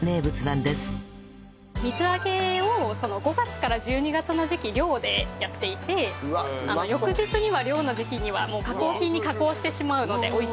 水揚げを５月から１２月の時期漁でやっていて翌日には漁の時期にはもう加工品に加工してしまうので美味しいです。